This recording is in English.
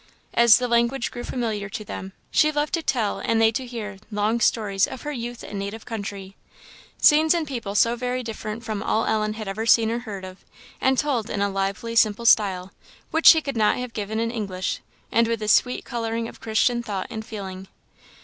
As the language grew familiar to them, she loved to tell and they to hear long stories of her youth and native country scenes and people so very different from all Ellen had ever seen or heard of; and told in a lively, simple style, which she could not have given in English, and with a sweet colouring of Christian thought and feeling.